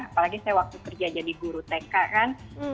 apalagi saya waktu kerja jadi guru tk kan